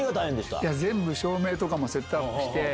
いや、全部照明とかも全部セットアップして。